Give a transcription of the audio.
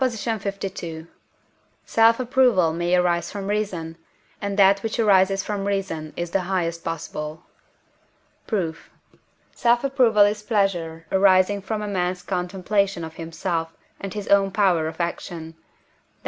LII. Self approval may arise from reason, and that which arises from reason is the highest possible. Proof. Self approval is pleasure arising from a man's contemplation of himself and his own power of action (Def.